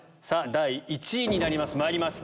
第１位まいります